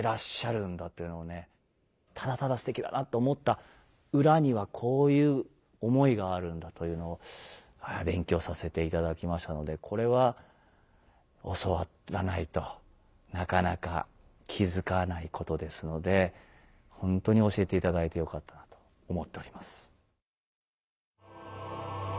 ただただすてきだなと思った裏にはこういう思いがあるんだというのを勉強させていただきましたのでこれは教わらないとなかなか気付かないことですので本当に教えていただいてよかったなと思っております。